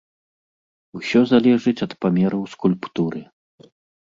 Усё залежыць ад памераў скульптуры.